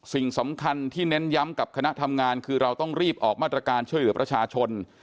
สิ่งสำคัญที่เน้นย้ำกับคณะทำงานคือเราต้องรีบออกมาตรการช่วยเหลือประชาชน